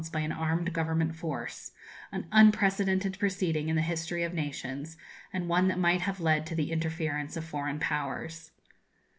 by an armed government force; an unprecedented proceeding in the history of nations, and one that might have led to the interference of foreign powers.